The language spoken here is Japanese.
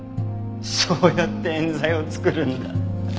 そうやって冤罪を作るんだ。